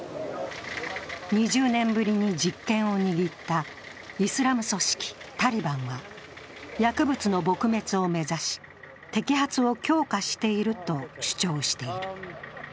２０年ぶりに実権を握ったイスラム組織タリバンは薬物の撲滅を目指し摘発を強化していると主張している。